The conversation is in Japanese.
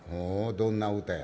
どんな歌や？」。